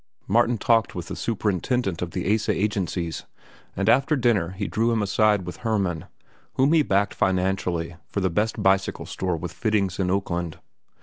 Martin talked with the superintendent of the Asa agencies, and after dinner he drew him aside with Hermann, whom he backed financially for the best bicycle store with fittings in Oakland.